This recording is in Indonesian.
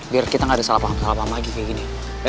biar kita gak ada salah paham masalah apa lagi kayak gini